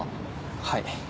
はい。